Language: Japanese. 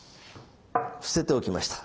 伏せておきました。